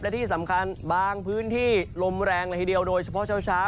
และที่สำคัญบางพื้นที่ลมแรงเลยทีเดียวโดยเฉพาะเช้า